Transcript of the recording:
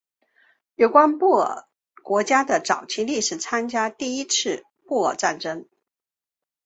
有关布尔人国家的早期历史参见第一次布尔战争。